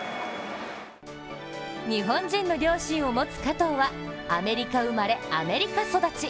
日本人の両親を持つ加藤はアメリカ生まれ、アメリカ育ち。